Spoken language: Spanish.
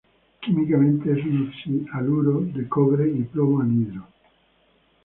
Químicamente es un oxi-haluro de cobre y plomo, anhidro.